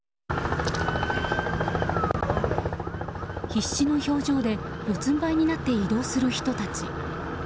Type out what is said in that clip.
必死の表情で四つん這いになって移動する人たち。